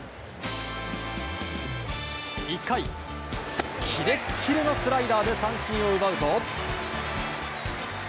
１回、キレッキレのスライダーで三振を奪うと。